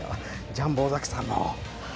ジャンボ尾崎さんも。